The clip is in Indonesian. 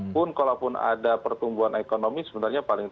pun kalau pun ada pertumbuhan ekonomi sebenarnya paling terakhir